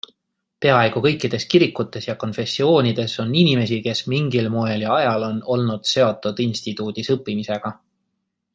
Peaaegu kõikides kirikutes ja konfessioonides on inimesi, kes mingil moel ja ajal on olnud seotud instituudis õppimisega.